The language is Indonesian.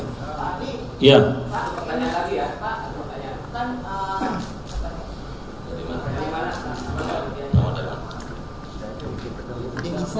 pak pertanyaan tadi ya